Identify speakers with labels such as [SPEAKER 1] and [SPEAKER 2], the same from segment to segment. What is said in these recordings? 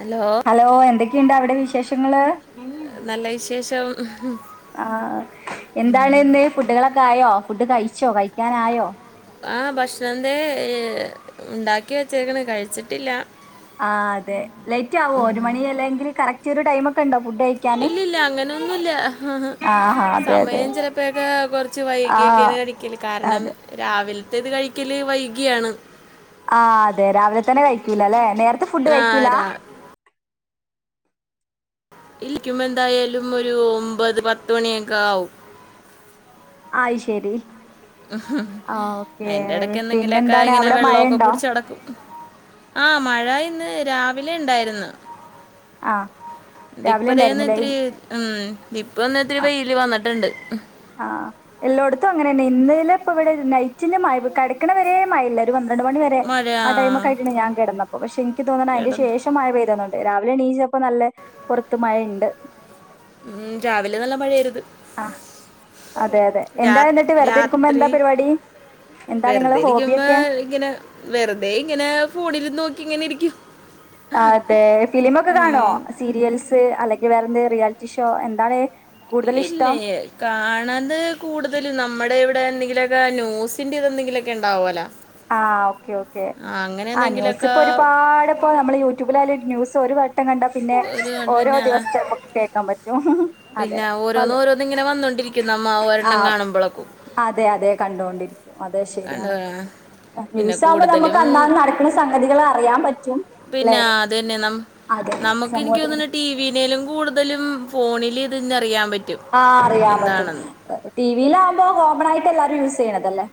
[SPEAKER 1] Hello
[SPEAKER 2] hello എന്തൊക്കെ ഇണ്ട് അവിടെ വിശേഷം ഇങ്ങള്
[SPEAKER 1] നല്ല വിശേഷം ഹ് ഹ്
[SPEAKER 2] ആ എന്താണ് ഇന്ന് ഫുഡുകളൊക്കെ ആയൊ ഫുഡ് കഴിച്ചോ കഴിക്കാനായോ
[SPEAKER 1] ആ ഭക്ഷണത്തെ ഉണ്ടാക്കി വെച്ചേക്കണേ കഴിച്ചിട്ടില്ല
[SPEAKER 2] ആ അതെ ലേറ്റ് ആവോ ഒരു മണി അല്ലെങ്കിൽ കറക്റ്റ് കറക്റ്റ് ഒരു ടൈം ഒക്കെ ണ്ടോ
[SPEAKER 1] ഇല്ലില്ലാ അങ്ങനെയൊന്നുല്ല
[SPEAKER 2] ആ ഹാ അതെ അതെ
[SPEAKER 1] സമയം ചെലപ്പയൊക്കെ കുറച്
[SPEAKER 2] ആ
[SPEAKER 1] വൈകിയൊക്കെന്ന് കഴിക്കല് കാരണം
[SPEAKER 2] അതെ
[SPEAKER 1] രാവിൽത്തെത് കഴിക്കല് വൈകി കിയാണ്
[SPEAKER 2] ആ അതെ രാവിലെ തന്നെ കൈക്കൂലാലേ നേര ത് ഫുഡ്
[SPEAKER 1] ആ
[SPEAKER 2] കഴിക്കൂല
[SPEAKER 1] രാ എണീക്കുമ്പോൾ എന്തായാലും ഒരു ഒമ്പത് പത്തുമണി ഒക്കെയാവും
[SPEAKER 2] അഹ് ശരി ആ ഓക്കെ
[SPEAKER 1] അതിനിടയ്ക്ക് എന്തെങ്കിലൊക്കെ
[SPEAKER 2] പിന്നെന്താണ് അവിടെ
[SPEAKER 1] വെള്ളോക്കെ
[SPEAKER 2] മഴയുണ്ടോ
[SPEAKER 1] കുടിച്ചു നടക്കും ആ മഴ ഇന്ന് രാവിലെ ണ്ടായിരുന്നു
[SPEAKER 2] ആ രാവിലെ ഉണ്ടായിരുന്നു
[SPEAKER 1] ദിപ്പരെന്ന്
[SPEAKER 2] അല്ലേ
[SPEAKER 1] ഇത്തിരി ഉം ഇപ്പം ന്നിത്തിരി വെയില് വന്നിട്ടുണ്ട് ഉം,
[SPEAKER 2] ആ എല്ലോടത്തും അങ്ങനെ തന്നെ ഇന്നലെ ഇപ്പോ ഇവടെരു നൈറ്റിന് മഴ യ്തു കടക്ണ വരെമഴഇല്ല ഒരു പ ണ്ട്രണ്ട് മണി വരെ ആ ടൈം ഒക്കെ ആയിക്കുണു ഞാൻ കിടന്നപ്പോ പക്ഷേ എനിക്ക് തോന്നുന്നു അതിന്റെ
[SPEAKER 1] കിടന്നു
[SPEAKER 2] ശേഷം മഴ പെയ്തതാ രാവിലെ എണീറ്റപ്പോൾ നല്ല പുറത്ത് മഴയുണ്ട്
[SPEAKER 1] ഉം രാവിലെ നല്ല മഴയായിരുന്നു
[SPEAKER 2] ആഹ് അതെ അതെ എന്താ
[SPEAKER 1] രാത്
[SPEAKER 2] എന്നിട്ട് വെറുതെ ഇരിക്കുമ്പോ
[SPEAKER 1] രാത്രി
[SPEAKER 2] എന്താ പരിപാടി എന്താണ് നിങ്ങളെ
[SPEAKER 1] വെറുതെയിരിക്കുമ്പോ
[SPEAKER 2] ഹോബിയൊക്കെ
[SPEAKER 1] ഇങ്ങനെ വെറുതെ ഇങ്ങനെ ഫോണിലും നോക്കി ക്കി ഇങ്ങനെ യിരിക്കും
[SPEAKER 2] അതെ സിലിമ ഒക്കെ കാണോ സീരിയൽസ് വേറെ എന്തെങ്കിലും റിയാലിറ്റി ഷോ എന്താണ് കൂടുതൽ ഇഷ്ടം
[SPEAKER 1] ഇല്ലേ കാണത് കൂടുതൽ നമ്മൾ ടെ ഇവിടെ എന്തെങ്കിലൊക്കെ ന്യൂസിന്റെ ഇത് എന്തെങ്കിലും ഒക്കെ ഉണ്ടാവല്ലോ
[SPEAKER 2] ആ ഓക്കേ ഓക്കേ ആ ന്യൂസ്
[SPEAKER 1] എന്തെങ്കിലുമൊക്കെ
[SPEAKER 2] പ്പ ഒരുപാട് പ്പ മ്മളെ യൂട്യൂബിൽ ആയാലും ന്യൂസ് ഒരു വട് ട്ടം കണ്ടാൽ പിന്നെ
[SPEAKER 1] ഒരു
[SPEAKER 2] ഓരോ
[SPEAKER 1] പിന്നെ
[SPEAKER 2] ദിവസത്തെ മ്മക്ക് കേൾക്കാൻ പറ്റും അതെ
[SPEAKER 1] പിന്നെ ഓരോന്ന് ഓരോന്ന് ഇങ്ങനെ വന്നോണ്ടിരിക്കും നമ്മ
[SPEAKER 2] ആ
[SPEAKER 1] ഒരെണ്ണം കാണുമ്പോഴേക്കും
[SPEAKER 2] അതെ അതെ കണ്ടോണ്ടിരിക്കും അതെ ശരിയാണ്
[SPEAKER 1] കണ്ടതാ പിന്നെ
[SPEAKER 2] ന്യൂസ് ആകുമ്പോ
[SPEAKER 1] കൂടുതലും
[SPEAKER 2] നമുക്ക് അന്നാന്ന് നടക്കുന്ന സംഗതികൾ അറിയാൻ പറ്റും
[SPEAKER 1] പിന്നെ
[SPEAKER 2] ല്ലെ
[SPEAKER 1] അതന്നെ നമ്
[SPEAKER 2] അതെ
[SPEAKER 1] നമുക്ക് എനിക്ക്
[SPEAKER 2] സമൂഹത്തിൽ
[SPEAKER 1] തോന്നുന്നു ടി വി യിലേലും കൂടുതലും ഫോണി ലിത് ന്നറിയാംപ
[SPEAKER 2] ആ അറിയാൻ പറ്റും ടിവിയിൽ ആവുമ്പോ കോമൺ ആയിട്ട് എല്ലാരും യൂസ്- ചെയ്യണതല്ലേ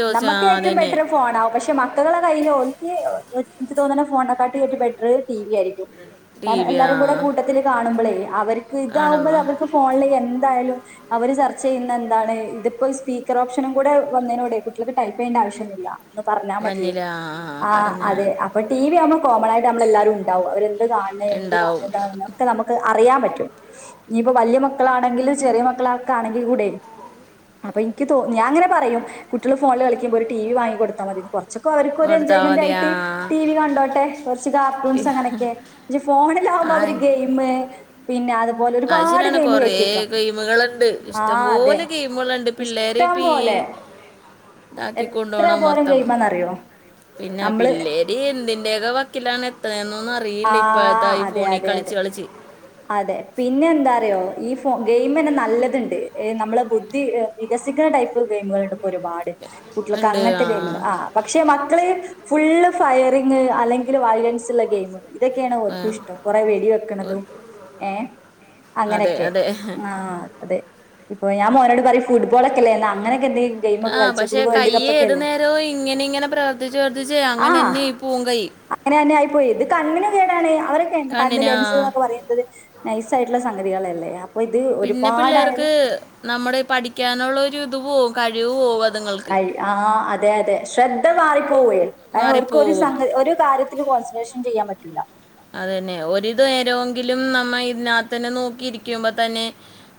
[SPEAKER 1] ചോദിച്ച ആ
[SPEAKER 2] നമ്മക്ക് ഏറ്റവും
[SPEAKER 1] അതന്നെ
[SPEAKER 2] ബെറ്റർ ഫോണാ പക്ഷേ മക്കകളെ കൈയില് ഓ [unintelligible] എനിക്ക് തോന്നണ് ഫോണിനേക്കാട്ടിയും ഏറ്റവും ബെറ്ററ് ടിവി ആയിരിക്കും
[SPEAKER 1] ടി
[SPEAKER 2] കാരണം
[SPEAKER 1] വി ആ
[SPEAKER 2] എല്ലാരും കൂടെ കൂട്ടത്തില് കാണുമ്പളെ അവർക്ക് ഇതാവുമ്പോ
[SPEAKER 1] കാണുമ്പോ
[SPEAKER 2] അവർക്ക് ഫോണില് കേ എന്തായാലും അവര് ചർച്ച ചെയ്യുന്ന എന്താണ് ഇതിപ്പോ സ്പീക്കർ ഓപ്ഷൻ കൂടെ വന്നയിനോടെ കുട്ടികൾക്ക് ടൈപ്പ് ചെയ്യണ്ട ആവശ്യവോന്നുവില്ല പറഞ്ഞാമതി
[SPEAKER 1] വന്നില്ല
[SPEAKER 2] ആ
[SPEAKER 1] പറഞ്ഞ
[SPEAKER 2] അതേ അപ്പം ടിവി ആവുമ്പോ കോമൺ ആയിട്ട് നമ്മൾ എല്ലാരും ഉണ്ടാവും അവരെ എന്ത് കാണുന്നേ എന്ത് കാ
[SPEAKER 1] ഉണ്ടാവും
[SPEAKER 2] ഇതാന്നൊകെ നമുക്ക് അറിയാൻ പറ്റും ഇനിപ്പോ വല്യമക്ക മക്കളാണെങ്കിലും ചെറിയമക്കൾ ക്കാണെങ്കിൽ കൂടയും അപ്പം എനിക്ക് തോ ഞാൻ ഇങ്ങനെ പറയും കുട്ടികള് ഫോണിൽ കളിക്കുമ്പോ ഒരു ടിവി വാങ്ങി കൊടുത്താമതി കുറച്ചൊക്കെ അവർക്കു ഒരു
[SPEAKER 1] കൊടുത്താ
[SPEAKER 2] എൻജോയ്മെൻ്റ്
[SPEAKER 1] മതിയാ
[SPEAKER 2] ആയിട്ട് ടിവി കണ്ടോട്ടെ കുറച്ച് കാർട്ടൂൺസ് അങ്ങനെയൊക്കെ [unintelligible] ഫോണിൽ ആവുമ്പോ
[SPEAKER 1] ആ
[SPEAKER 2] അവരു ഗെയിമ് പിന്നെ അത് പോലെ ഒരുപാട് ഗെയിം കേ
[SPEAKER 1] റേ ഗെയിമുകളുണ്ട് ഇഷ്ടംപോലെ ഗെയിമുകളുണ്ട് പിള്ളേരെ
[SPEAKER 2] ഇഷ്ടം
[SPEAKER 1] ഇപ്പം
[SPEAKER 2] പോലെ
[SPEAKER 1] ഈ
[SPEAKER 2] എത്ര
[SPEAKER 1] ആക്കികൊണ്ടുപോണം
[SPEAKER 2] പോരം
[SPEAKER 1] മൊത്തം
[SPEAKER 2] ഗെയിമാന്നറിയോ
[SPEAKER 1] പിന്നെ
[SPEAKER 2] നമ്മള്
[SPEAKER 1] പിള്ളേര് എന്തിൻ്റെയൊക്കെ വക്കിലാണ് എത്തണേ [unintelligible] ഒന്നു അറിയില്ല
[SPEAKER 2] ആ
[SPEAKER 1] ഇപ്പഴത്തെ ഈ ഫോണിൽ കളിച്ച് കളിച്ച്
[SPEAKER 2] പിന്നെന്താ അറിയോ ഈ ഫോൺ ഗെയിം ന്നെ നല്ലത്ണ്ട് നമ്മടെ ബുദ്ധി വികസിക്കുന്ന ടൈപ്പ് ഗെയിമുകള് ഒരുപാട് കുട്ടികൾക്ക് അങ്ങൻത്തെ ഗെയ്മ് ആ പക്ഷെ മക്കള് ഫുള്ളും ഫയറിംഗ് അല്ലെങ്കില് വയലൻസ്ളള ഗെയ്മ് ഇതൊക്കെണ്
[SPEAKER 1] ആ,
[SPEAKER 2] ഓർക്കും ഇഷ്ട്ടം കുറെ വെടി
[SPEAKER 1] ഓ,
[SPEAKER 2] വെക്ക്ണതും ഏ
[SPEAKER 1] അതെ
[SPEAKER 2] അങ്ങനെക്കെ
[SPEAKER 1] അതെ
[SPEAKER 2] ആ അതേ ഞാൻ മോനോട് പറയും ഫുട്ബോളോക്കെ ഇല്ലേ അങ്ങനെയൊക്കെ എന്തെങ്കി
[SPEAKER 1] ആ പക്ഷെ കൈ ഏതുനേരവും ഇങ്ങനെ ഇങ്ങനെ പ്രവർത്തിച്ച് പ്രവർത്തിച്ചേ അങ്ങനെന്നെ
[SPEAKER 2] ആഹ്
[SPEAKER 1] ആയിപ്പോവും കൈ
[SPEAKER 2] അങ്ങനെ തന്നെ ആയിപ്പോയി ഇത് കണ്ണിന് കേടാണ് അവരൊക്കെ എൻ്റെ കണ്ണ് ലെൻസ് നോക്കെ [unintelligible] നൈസ് ആയിട്ട്ള്ള സംഗതികളല്ലെ
[SPEAKER 1] പിന്നെ പിള്ളേർക്ക് നമ്മടെ പഠിക്കാനുള്ളൊരു ഇത് പോവും കഴിവ് പോവും അ
[SPEAKER 2] കഴി ആ അതെ അതെ ശ്രദ്ധ മാറി പോവേ ഓൽക്ക് ഒരു
[SPEAKER 1] മാറിപ്പോവും
[SPEAKER 2] സംഗത് ഒരു കാര്യ ക്ക് കോൺസ്ട്രേഷൻ ചെയ്യാൻ പറ്റൂല
[SPEAKER 1] അത് തന്നെ ഒരിത് നേരോങ്കിലും നമ്മള് ഇതിനകത്ത് തന്നെ നോക്കിയിരിക്കുമ്പ തന്നെ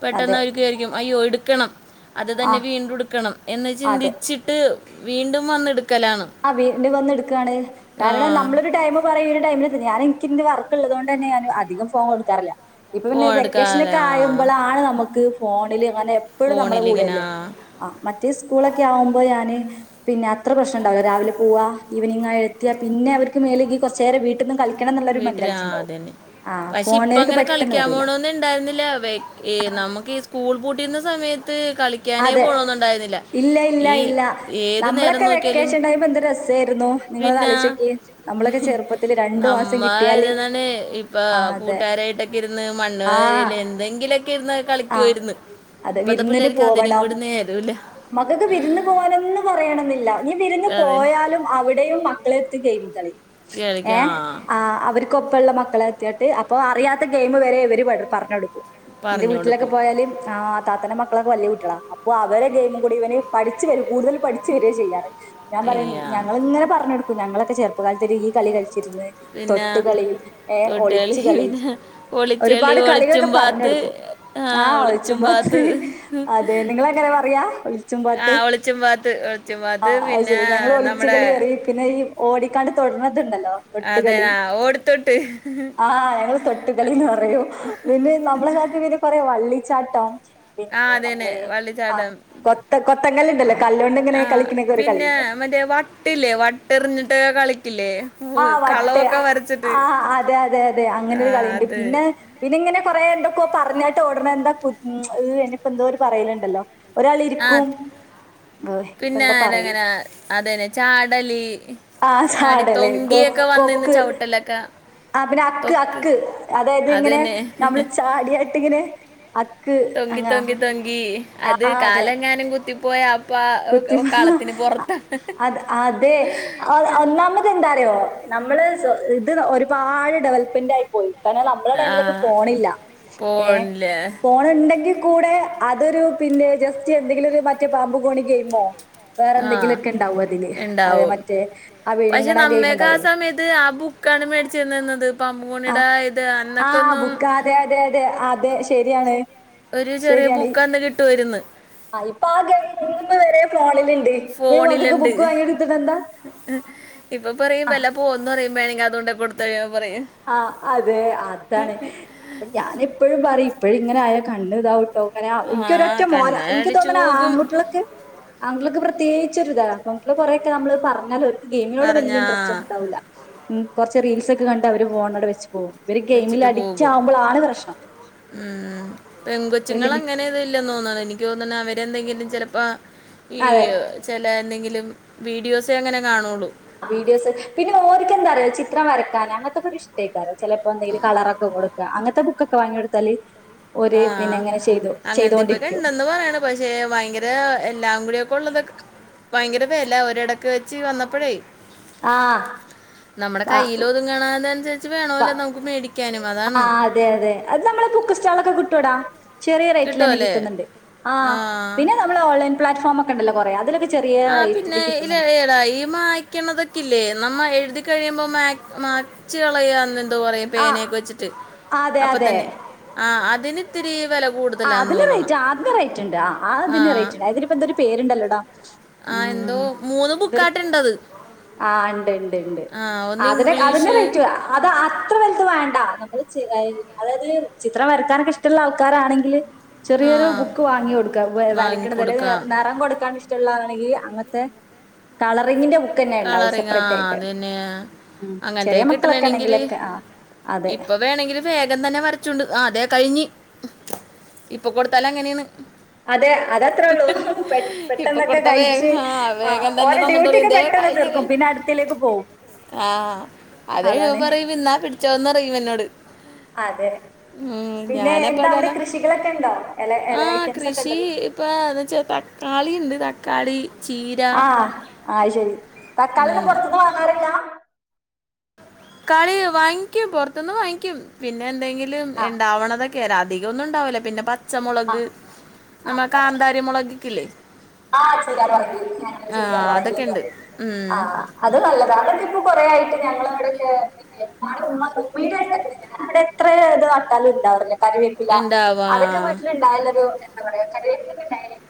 [SPEAKER 1] പെട്ടന്ന്
[SPEAKER 2] അതെ
[SPEAKER 1] അവരൊക്കെ വിചാരിക്കും അയ്യോ എടുക്കണം അത്
[SPEAKER 2] ആ
[SPEAKER 1] തന്നെ വീണ്ടും ഇട്ക്കണം എന്ന്
[SPEAKER 2] അതെ
[SPEAKER 1] ചിന്തിച്ചിട്ട് വീണ്ടും വന്ന് എടുക്ക
[SPEAKER 2] ആ വീട്ടീന്ന് വന്ന് എടുക്കയാണ്
[SPEAKER 1] ആ
[SPEAKER 2] കാരണം നമ്മോളൊരുടൈം പറയും ഈ ടൈമിൽ ക്കി ഇന്ന് വർക്ക്‌ ഉള്ളത് കൊണ്ടു തന്നെ ഞാൻ അധികം ഫോം കൊടുക്കാറില്ല ഇപ്പോപ്പിന്നെ
[SPEAKER 1] ഫോൺ എടുക്കാതെ
[SPEAKER 2] വെക്കേഷനൊക്കെ
[SPEAKER 1] ആ
[SPEAKER 2] ആയിമ്പളാണ് നമുക്ക് ഫോണില് മാനെപ്പോഴും നമ്മുടെ
[SPEAKER 1] ഫോണിലിങ്ങനെ
[SPEAKER 2] കൂടെയല്ലേ
[SPEAKER 1] ആ,
[SPEAKER 2] ആ മറ്റേ സ്കൂളൊക്കെ ആവുമ്പോ ഞാന് പിന്നെ അത്ര പ്രശ്ന ണ്ടാവില്ല രാവിലെ പോകുക. ഈവെനിംഗ് ആയ എത്തിയാ പിന്നെ അവര്ക്ക് മേലേക്ക് കുറച്ചു നേരം വീട്ടിന്നും കളിക്ക
[SPEAKER 1] വീട്ടിൽ ആ അത് തന്നെ പക്ഷെ ഇപ്പൊ
[SPEAKER 2] ഫോണിലേക്ക്
[SPEAKER 1] അങ്ങനെ
[SPEAKER 2] പെട്ടെന്ന്
[SPEAKER 1] കളിക്കാൻ
[SPEAKER 2] വരൂല
[SPEAKER 1] പോണംന്ന് ഉണ്ടായിരുന്നില്ല വ്യഗ് ഏ നമുക്ക് ഈ സ്കൂൾ കുട്ടി യിക്കുന്ന സമയ
[SPEAKER 2] അതെ ഇല്ല ഇല്ല
[SPEAKER 1] ഈ
[SPEAKER 2] ഇല്ല
[SPEAKER 1] ഏത് നേരം
[SPEAKER 2] നമ്മളൊക്കെ വെ
[SPEAKER 1] നോക്കിയാലും
[SPEAKER 2] ക്‌ക്കേഷൻ ടൈം എന്ത് രസായിരുന്നു നിങ്ങളൊന്ന്
[SPEAKER 1] പിന്നെ
[SPEAKER 2] ആലോചിച്ചു നോക്കിക്കേ നമ്മളൊക്കെ ചെറുപ്പത്തിൽ രണ്ടു മാസം കിട്ടിയാല്
[SPEAKER 1] നമ്മായിരുന്നലെ ഇപ്പൊ
[SPEAKER 2] ആഹ് അതെ
[SPEAKER 1] കൂട്ടു കാരായിട്ടൊക്കെ ഇരുന്നു മണ്ണ് വാരി എന്തെങ്കിലും ഒക്കെ
[SPEAKER 2] ആ അതെ വിരുന്നിനു
[SPEAKER 1] പിള്ളേർക്ക് അതിനും
[SPEAKER 2] പോവണം
[SPEAKER 1] കൂടി നേരമില്ല
[SPEAKER 2] മക്കൾക്ക് വിരുന്ന് പോകാനൊന്നും പറയണമെന്നില്ല ഈ വിരുന്നു
[SPEAKER 1] അതെ
[SPEAKER 2] പോയാലും അവിടെയും മക്കളെ [inaudible] ഏ
[SPEAKER 1] കളിക്കാ
[SPEAKER 2] ആ അവര് ഇപ്പം ഇപ്പൊ ഉള്ള മക്കളെ വച്ചോണ്ട് അപ്പൊ അറിയാത്ത ടൈം വരെ ഇവര് പറഞ്ഞു കൊടുക്കും
[SPEAKER 1] പറഞ്ഞു കൊടുക്കും
[SPEAKER 2] വീട്ടിലൊക്കെ പോയാല് ആ താത്താന്റെ മക്കളൊക്കെ വലിയ കുട്ടികള അപ്പൊ അവരെ ഗെയ്മും കൂടി ഇവര് പഠിച്ചു വരും കൂടുതൽ പഠിച്ചു വരികയാ ചെയ്യുന്നത് ഞാൻ പറയും
[SPEAKER 1] ചെയ്യാ
[SPEAKER 2] ഞങ്ങളിങ്ങനെ പറഞ്ഞു കൊടുക്കും ഞങ്ങളൊക്കെ ചെറുപ്പ പ്പകാലത്തിലീ കളി ച്ചിരുന്ന്
[SPEAKER 1] പിന്നെ
[SPEAKER 2] തൊട്ടുകളി ഏ
[SPEAKER 1] തൊട്ടുകളി
[SPEAKER 2] ഒളിച്ചു കളി
[SPEAKER 1] പിന്നെ ഒളിച്ചളി
[SPEAKER 2] ഒരുപാട്
[SPEAKER 1] ഒളിച്ചും
[SPEAKER 2] കളിയോക്കെ പറഞ്ഞു
[SPEAKER 1] പാത്ത്
[SPEAKER 2] കൊടുക്കും ആ ഒളിച്ചും പാത്ത് അതെ നിങ്ങൾ അങ്ങനെ പറയാ ഒളിച്ചും
[SPEAKER 1] ആ
[SPEAKER 2] പാത്ത്
[SPEAKER 1] ഒളിച്ചും പാത്ത് ഒളിച്ചും
[SPEAKER 2] ആ
[SPEAKER 1] പാത്ത്
[SPEAKER 2] അത്
[SPEAKER 1] പിന്നെ
[SPEAKER 2] ശെരി ഞങ്ങൾ ഒളിച്ചു
[SPEAKER 1] നമ്മുടെ
[SPEAKER 2] കളി പറയും പിന്നെ ഈ ഓടിക്ക തുണ്ടല്ലോ
[SPEAKER 1] അതെ
[SPEAKER 2] വെട്ടുകളി
[SPEAKER 1] ആ ഓടിത്തൊട്ട്
[SPEAKER 2] ആ ഞങ്ങൾ തൊട്ടുകളീന്ന് പറയും നമ്മുടെ നാട്ടീൽ പിന്നെ പിന്നെ വള്ളി ചാട്ടം
[SPEAKER 1] ആ അത് തന്നെ വള്ളിച്ചാട്ടം
[SPEAKER 2] കൊത്ത കൊത്തങ്കല്ല്ണ്ടല്ലോ കല്ലോണ്ട് ഇങ്ങനെ
[SPEAKER 1] ആ
[SPEAKER 2] കളിക്കണൊക്കെ ഒരു
[SPEAKER 1] പിന്നെ
[SPEAKER 2] കളിയുണ്ടല്ലോ
[SPEAKER 1] മറ്റേ വട്ട് ഇല്ലേ വട്ടെറിഞ്ഞിട്ട് കളി
[SPEAKER 2] ആ വട്ട് ആ അതെ അതെ അതെ അങ്ങനെ
[SPEAKER 1] ആ
[SPEAKER 2] ഒരു കളിയുണ്ട്
[SPEAKER 1] അത്
[SPEAKER 2] പിന്നെ ഇതിങ്ങനെ കുറെ എന്തൊക്കെയോപറഞ്ഞട്ടു ഓടുന്ന എന്താ ഉം എന്തോ ഒരു പറയലുണ്ടല്ലോ
[SPEAKER 1] ആ
[SPEAKER 2] ഒരാളിരിക്കും ഓഹ് ഇപ്പൊ
[SPEAKER 1] പിന്നെ
[SPEAKER 2] എന്താ പറയല്
[SPEAKER 1] അനങ്ങനെ അതെന്നെ ചാടലി ചാടി തൊങ്കി
[SPEAKER 2] ക്കൊക് കൊക്ക് ആ പിന്നെ അക്ക്
[SPEAKER 1] തൊക്ക്
[SPEAKER 2] അക്ക് അതായത്
[SPEAKER 1] അത്
[SPEAKER 2] ഇങ്ങനെ
[SPEAKER 1] തന്നെ
[SPEAKER 2] നമ്മള് ചാടിയാട്ട് ഇങ്ങനെ അക്ക്
[SPEAKER 1] തൊങ്കി തൊങ്കി
[SPEAKER 2] അങ്ങ
[SPEAKER 1] തൊങ്കി അത്
[SPEAKER 2] ആ അതെ
[SPEAKER 1] കാലെങ്ങാനും കുത്തിപ്പോയ
[SPEAKER 2] കുത്തി
[SPEAKER 1] അപ്പൊ കളത്തിന് പുറത്ത
[SPEAKER 2] അ- അത് അതെയോ നമ്മള് സോ ഇത് ഓര്പാട് ഡെവലപ് മെന്റ് ആയിപോയി കാരണം നമ്മളെ
[SPEAKER 1] ആ
[SPEAKER 2] ടൈമിലോക്കേ പോണില്ല എ
[SPEAKER 1] പോണില്ലേ
[SPEAKER 2] ഫോണുണ്ടെങ്കിൽ കൂടെ അതൊരു പിന്നെ ജസ്റ്റ്‌ എന്തെങ്കിലും ഒരു മറ്റേ ബാമ്പു ഗോണിക് ഗയിമോ വേറെ
[SPEAKER 1] ആ
[SPEAKER 2] എന്തെങ്കിലുമൊക്കെ ഉണ്ടാവും അതിൽ മറ്റേ ആ വിഴുങ്ങണ ഗയിം
[SPEAKER 1] നമ്മളൊക്കെ ആസമയത്ത് ആ ബുക്കാണ് മേടിച്ച് തരുന്നത് പപ്പേ
[SPEAKER 2] ആ ആ ബുക്ക് അതെ അതെ അതെ ശരിയാണ്
[SPEAKER 1] ഒരു ചെറിയ
[SPEAKER 2] ശരിയാണ്
[SPEAKER 1] ബുക്ക് അന്ന് കിട്ടുമായിരുന്നു
[SPEAKER 2] ഇപ്പൊ [unintelligible] മൂന്ന് വരെ [inaudible] ഈ മക്കൾക്ക്
[SPEAKER 1] ഫോണിലുണ്ട്
[SPEAKER 2] ബുക്ക് വാങ്ങിയെടുത്തിട്ട് എന്താ
[SPEAKER 1] ഇപ്പ പറയും വെല പോവുമെന് പറയും [inaudible]
[SPEAKER 2] ആ അതെ അതാണ് ഞാനെപ്പഴും പറയും എപ്പഴും ഇങ്ങനായ കണ്ണ്താവും കേട്ടോ
[SPEAKER 1] ആ
[SPEAKER 2] എനിക്ക് ഒരൊറ്റ മോനാ എനിക്ക്
[SPEAKER 1] കണ്ണടിച്ചു
[SPEAKER 2] തോന്നുന്നു
[SPEAKER 1] പോകും
[SPEAKER 2] ആൺകുട്ടികളൊക്കെ ആണുങ്ങ- തേകിച്ചൊരു ഇതാ നമ്മള് കൊറെയൊക്കെ നമ്മള് പറഞ്ഞാൽ ഒരു ഇത് ഗയിമിനോട് വലിയ
[SPEAKER 1] പറഞ്ഞാ
[SPEAKER 2] ഇന്ററസ്റ്റ്ഒന്നും ഉണ്ടാവില്ല ന മ് കുറച്ച് റീൽസ്ഒക്കെ കൺ - അവര് ഫോണ് അവിടെവച്ച്
[SPEAKER 1] വെച്ചിട്ട് പോകും
[SPEAKER 2] പ്രശ്നം
[SPEAKER 1] ഉം
[SPEAKER 2] ഒരു
[SPEAKER 1] പെങ്കൊച്ചുങ്ങൾ
[SPEAKER 2] ലിമി
[SPEAKER 1] അങ്ങനെ ഇല്ലന്ന് തോന്നണ് എനിക്ക് തോന്നണ് അവര് എന്തെങ്കിലും ചെലപ്പാ ഈ
[SPEAKER 2] അതെ
[SPEAKER 1] ചെല എന്തെങ്കിലും വീഡിയോസെ അങ്ങനെ കാണുവോള്ളൂ
[SPEAKER 2] വീഡിയോസ് പിന്നെ ഓരിക്ക് എന്താറിയോ ചിത്രം വരക്കാന് അങ്ങനത്തെ ഒക്കെ ഇഷ്ടാ [unintelligible] ചെലപ്പോ എന്തേലും കളറൊക്കെ കൊടുക്കാ അങ്ങൻ ബുക്കക്കെ വാങ്ങി കൊടുത്താല് ഓര്
[SPEAKER 1] ആ
[SPEAKER 2] പിന്നെ അങ്ങനെ ചെയ്തു
[SPEAKER 1] അങ്ങനത്തെ ഇപ്പോ
[SPEAKER 2] ചെയ്തോണ്ടിരിക്കും
[SPEAKER 1] രണ്ടെണ്ണം പറയണ് പക്ഷെ ഭയങ്കര എല്ലാം കൂടെയെക്കെ ഒള്ളതൊക്ക് ഭയങ്കര വെല ഒരെടക്കു വെച്ച് വന്നപ്പഴേ
[SPEAKER 2] ആഹ്
[SPEAKER 1] നമ്മടെ കയ്യിലൊതുങ്ങണ നേനനുസരിച്ച്
[SPEAKER 2] [unintelligible] ആ അതെ അതെ അത് നമ്മളെ ബുക്ക്സ്റ്റാളിലൊക്കെ കിട്ട് കിട്ടുവെടാ. ചെറിയ റേറ്റിലെന്നെ
[SPEAKER 1] കിട്ടുമല്ലേ
[SPEAKER 2] കിട്ട്ന്ന്ണ്ട് ആ പിന്നെ നമ്മളെ ഓൺലൈൻ പ്ലാറ്റ്ഫോമാ ക്കണ്ടല്ലോ കൊറെ അതിലെക്കെ ചെ
[SPEAKER 1] ആ പിന്നെ ഈല് എടാ ഈ മായ്ക്കണതൊക്കെ ഇല്ലേ നമ്മ എഴുതി കഴിയുമ്പ മാക്ക് മാച്ച് കളയാന് ത്തു പറയും
[SPEAKER 2] ആഹ്
[SPEAKER 1] പേനെയൊക്കെ വെച്ചിറ്റ്
[SPEAKER 2] അതെ അതെ
[SPEAKER 1] അപ്പത്തന്നെ ആ അത് ഇതിന് ത്തിരി വെല
[SPEAKER 2] അതിന് റേറ്റ് അതിനു റേറ്റ്ണ്ട് ആ അതിന്റ്റേറ്റ് അയിന് പ്ന്തര് പേര് ണ്ടല്ലടാ
[SPEAKER 1] ആ എന്തോ മൂന്നു ബുക്കാറ്റെ ണ്ടത്
[SPEAKER 2] ആണ്ട് ണ്ട്
[SPEAKER 1] ഒന്ന്
[SPEAKER 2] ണ്ട്അതിന്റെ അതിന്റെ
[SPEAKER 1] ഇംഗ്ലീഷ്
[SPEAKER 2] റേറ്റ് അത് ആ ഇത്ര വലുത് വേണ്ട നമ്മള് ചെ അതായത് ചിത്രം വരക്കാൻ ഇഷ്ടള്ള ആൾക്കാരൊക്കെ ആണെങ്കിൽ
[SPEAKER 1] ആ
[SPEAKER 2] ചെറിയൊരു ബുക്ക് വാങ്ങി കൊട്ക വരയ്ക്കണത് അല്ലെങ്കിൽ
[SPEAKER 1] വാങ്ങിക്കൊടുക്കാം
[SPEAKER 2] നിറം കൊടുക്കാനിഷ് ള്ളാണെങ്കിൽ അങ്ങനത്തെ കളറിങ്ങിന്റെ ബുക്ക് തന്നെ ഉണ്ടാവും
[SPEAKER 1] കളറിംഗ് ആ
[SPEAKER 2] സെപ്പറേറ്റ് ആയിട്ട് ഉം
[SPEAKER 1] അങ്ങനത്തെ
[SPEAKER 2] ചെറിയ
[SPEAKER 1] കിട്ടണ്
[SPEAKER 2] മക്കളൊക്കെ
[SPEAKER 1] ണെങ്കില്
[SPEAKER 2] ആണെങ്കിലൊക്കെ ആ അതെ
[SPEAKER 1] ഇപ്പം വേണങ്കിലും വേഗ ന്നെ വർച്ചോണ്ട് തെ കഴിഞ്ഞ് ഇപ്പോ കൊടുത്താലങ്ങനെയാണ്
[SPEAKER 2] അതെ അത് അത്രയേ ഉള്ളൂ
[SPEAKER 1] ഇപ്പൊ
[SPEAKER 2] പെട്ടെന്നൊക്കെ
[SPEAKER 1] കൊടുത്ത
[SPEAKER 2] കഴിച്ച്
[SPEAKER 1] വേഗം
[SPEAKER 2] ആ ഓരേ ഡ്യൂട്ടി ക്കെ പെട്ട
[SPEAKER 1] കഴിഞ്ഞു കഴിഞ്ഞു ആ അതെ ഞാൻ
[SPEAKER 2] അതാണ്
[SPEAKER 1] പറയുബോ നാ പിടിച്ചോ ന്ന് പറയും എന്നോട്
[SPEAKER 2] അതെ
[SPEAKER 1] ഉം
[SPEAKER 2] പിന്നെ
[SPEAKER 1] ഞാൻ അപ്പ
[SPEAKER 2] എന്താ
[SPEAKER 1] അത്
[SPEAKER 2] അവിടെ
[SPEAKER 1] കാരണം
[SPEAKER 2] കൃഷികളൊക്കെ ഉണ്ടോ ഇല ഇല
[SPEAKER 1] ആ
[SPEAKER 2] ഐറ്റംസ് ഒക്കെ
[SPEAKER 1] കൃഷി
[SPEAKER 2] ഉണ്ടോ
[SPEAKER 1] തക്കാളി ണ്ട് തക്കാളി ചീര
[SPEAKER 2] ആ അയ് ശരി
[SPEAKER 1] ഉം.
[SPEAKER 2] തക്കാളിന്നുംപുറത്തിന്ന് വാങ്ങാറില്ല
[SPEAKER 1] ക്കാളിവാങ്ങിക്കും പൊർത്ത്ന്ന് വാങ്ങിക്കും പിന്നെ എങ്കിലും
[SPEAKER 2] ആ
[SPEAKER 1] ഇണ്ടാവ്ണതൊക് കേരം അതികൊന്നുണ്ടാവുല പിന്നെ പത്
[SPEAKER 2] അ ആപച്ചമുളക്
[SPEAKER 1] മുളകില്ലേ
[SPEAKER 2] ആ ചീര പർങ്കി ഞങ്ങള്
[SPEAKER 1] ആ
[SPEAKER 2] ചീരാ പർങ്കി
[SPEAKER 1] അതൊക്കെ ഉണ്ട്
[SPEAKER 2] പറിം
[SPEAKER 1] ഉം.
[SPEAKER 2] അത് നല്ലതാ അതിപ്പോ കുറെയായിട്ട് ഞങ്ങളെ ഇവിടെക്കെ [unintelligible] എത്ര ഇത് നട്ടാലുംഉണ്ടാവില്ല കറിവേപ്പില
[SPEAKER 1] ഉണ്ടാവാ
[SPEAKER 2] അതൊക്കെ വി എത്രണ്ടായാലൊരു [unintelligible]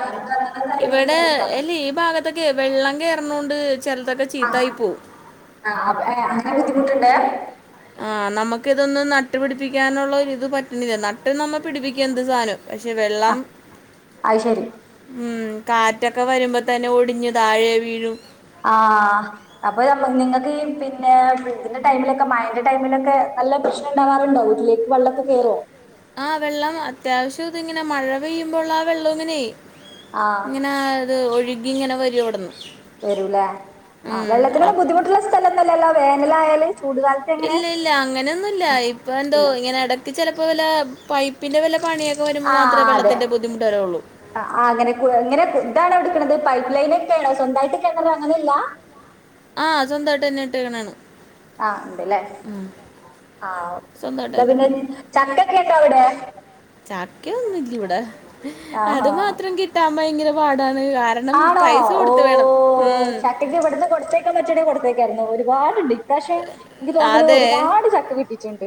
[SPEAKER 2] സുഖാണ് അങ്ങനെ കാര്യങ്ങൾ
[SPEAKER 1] ഇവിടെ
[SPEAKER 2] ഇങ്ങനെ എടുത്താ മതി
[SPEAKER 1] അല്ലി ഈ ഭാഗത്തൊക്കെ വെള്ളം കേർ ണുണ്ട് ചെൽതൊക്കെ
[SPEAKER 2] ആ
[SPEAKER 1] ചീത്തായി പോവും
[SPEAKER 2] ആ അപ്പ ഏ അങ്ങനെ ബുദ്ധിമുട്ടുണ്ടേ
[SPEAKER 1] ആ നമുക്ക് ഇതൊന്ന് നട്ട് പിഠിപ്പിക്കാനുള്ള ഇത് പറ്റുന്നില്ല നട്ട് നമ്മ പിടിപ്പിക്കുന്ന സാനം പക്ഷേ
[SPEAKER 2] ആ
[SPEAKER 1] വെള്ളം
[SPEAKER 2] അത് ശരി
[SPEAKER 1] ഉം കാറ്റൊക്കെ വരുംമ്പതന്നെ ഒടിഞ്ഞ്താഴെ വീഴും
[SPEAKER 2] ആ അപ്പൊ നമ്മ നിങ്ങക് പിന്നെ ബ്രിഡ്ജിന്റെ ടൈമിലൊക്കെ മഴന്റെ ടൈമിലൊക്കെ നല്ല പ്രശ്നം ണ്ടാകാറുണ്ടൊ വീട്ടിലേക്ക് വള്ളക്കെ കേറൊ
[SPEAKER 1] ആ വെള്ളം അത്യാവശ്യ ദ്‌ ങ്ങനെ മഴ പെയ്യുമ്പൊള്ള ആ വെള്ളങ്ങനെ
[SPEAKER 2] ആ
[SPEAKER 1] ങ്ങനേദ് ഒഴിക് ഇങ്ങനെ വെരൊട്ന്ന്
[SPEAKER 2] വരൂല അ വെള്ളത്തിന് ബുദ്ധിമുട്ട്ള്ള സഥലം ന്നൊല്ലല്ലൊ വേനലായാല് ചൂട് കാലത്ത് എങ്ങനെ
[SPEAKER 1] ഇല്ലല്ല അങ്ങനൊന്നുല്ല ഇപ്പെന്തൊ ഇങ്ങനെ എടക്ക് ചെല പൊലാ
[SPEAKER 2] ആ അതെ
[SPEAKER 1] വെള്ളത്തിന്റെ ബുദ്ധിമുട്ട് വരുള്ളൂ
[SPEAKER 2] അ അങ്ങനെ ക് താണിട്ക്ക്ണത് പൈപ് ലൈനൊക്കെണ് സ്വന്തായിട്ട് കെണറ് അങ്ങനെല്ല
[SPEAKER 1] ആ സ്വന്തായിട്ടന്നെ ട്ടെക്ണാണ്.
[SPEAKER 2] ആ ണ്ട് ലെ ആഒകെ
[SPEAKER 1] സ്വന്തമായിട്ട്
[SPEAKER 2] ന്ത
[SPEAKER 1] തന്നെ
[SPEAKER 2] പിന്നെ ഞ്ഞ് ചക്കക്കെണ്ടൊവിടെ
[SPEAKER 1] ചക്കൊന്നും ല്ലിവടെ ഹ് അത് മാത്രം കിട്ടാ ഭയങ്കര പാടാ
[SPEAKER 2] ആണൊ ഓ
[SPEAKER 1] ഉം.
[SPEAKER 2] ചക്കക്കെ വിട്ന്ന് കൊട്ത്തയക്കാൻ പറ്റാണെങ്കിൽ കൊടുത്തയക്കേനി വാണ് ണ്ടി ഇപ്രാശ്യം ൻക് തോന്ന്ണു
[SPEAKER 1] അതെ
[SPEAKER 2] ഒരുപാട് ചക്ക കിട്ടി ച്ചുണ്ട്.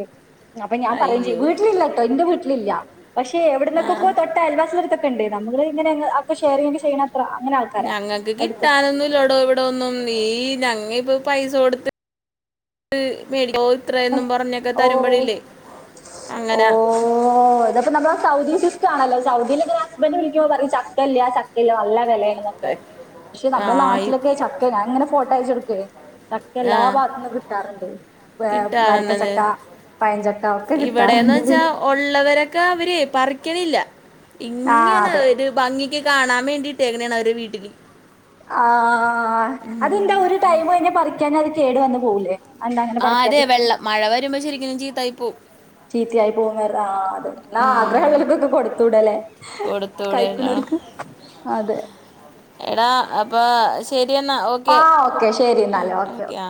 [SPEAKER 2] അപ്പൊ ഞാൻ പറയു ചെയ്യും
[SPEAKER 1] അയ്യോ
[SPEAKER 2] വീട്ടിലില്ല ട്ടൊ ഇന്റെ വീട്ടി ന്നില്ല പക്ഷെ
[SPEAKER 1] ആ
[SPEAKER 2] എവിടെന്നെക്കെക്കോ തൊട്ട അയൽവാസിയളെട്ത്ത ക്കെണ്ട് നമ്മള് ഇങ്ങനെ അഒക്കെ ശെയറൈത് ചെയ്യ്ണ
[SPEAKER 1] ഞങ്ങക്ക് കിട്ടാനൊന്നുല്ലടോ ഇവിടൊന്നും നീ ഞങ്ങ വ് പൈസ കൊട്ത്ത് ഹ് മേടി ഓര്ത്രേന്നും പറഞ്ഞൊക്കെ തരുമ്പയില്ലേ
[SPEAKER 2] ഓ ഓ അതൊക്കെ നമ്മടെ സൗദി സിസ്റ്റം ആണല്ലൊ സൗദിലെ ഹസ്ബന്റ് വിളിക്കുമ്പൊ പറിം ചക്കല്ലാ ചക്കല്ലാ നല്ല ചെലേന്നൊക്കെ ക്ഷേ
[SPEAKER 1] ആ
[SPEAKER 2] നമ്മടെ
[SPEAKER 1] ഇ-
[SPEAKER 2] നാട്ടിലൊക്കെ ചക്ക ഞാങ്ങനെ ഫോട്ടയച്ചൊട് തേ
[SPEAKER 1] ആ
[SPEAKER 2] ചക്കെല്ലാ ഭാഗത്ത്ന്നും കിട്ടാർണ്ട് വേ വരിക്ക
[SPEAKER 1] കിട്ടാറുണ്ടത്
[SPEAKER 2] ചക്ക പഴഞ്ചക്ക ഒക്കെ കി
[SPEAKER 1] വടേന്ന് വെച്ച ഉള്ളവരൊക്കെ അവര് പറിക്കലില്ല
[SPEAKER 2] ആ
[SPEAKER 1] ഇങ്ങനെ
[SPEAKER 2] അതെ
[SPEAKER 1] ഒരു ഭംഗിക്ക് കാണാൻ വേ ണ്ടി ഇട്ടേക്ക്ണേണ് അവരെ വീട്ടിക്ക്
[SPEAKER 2] ആ അതെന്താ ഒരു ടൈമ് കഴിഞ്ഞ പറിക്കാഞ്ഞ അതില് കേടു വന്നു പോവൂല്ലേ അതെന്താ അങ്ങനെ
[SPEAKER 1] ആ അതെ
[SPEAKER 2] പറിക്കാതിരിക്കണെ
[SPEAKER 1] വെള്ളം മഴ വരുമ്പോ ശരിക്കും ചീത്തായി പോവും
[SPEAKER 2] ചീത്തയായി പോവും വേറെ എന്നാ
[SPEAKER 1] ഉം.
[SPEAKER 2] ആഗ്രഹമുള്ളവർക്കൊക്കെ കൊടുത്തൂടേല്ലേ
[SPEAKER 1] കൊടുത്തൂടെ എടാ
[SPEAKER 2] കയിക്കണോർക്ക് അതെ
[SPEAKER 1] എടാ അപ്പോ ശ
[SPEAKER 2] ആ ഓക്കെ ശരിയന്നാല് ഓക്കെ ഓക്കെ